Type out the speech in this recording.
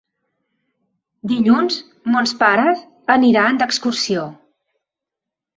Dilluns mons pares aniran d'excursió.